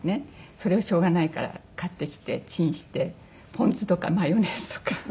それをしょうがないから買ってきてチンしてポン酢とかマヨネーズとか。